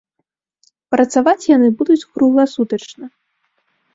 Працаваць яны будуць кругласутачна.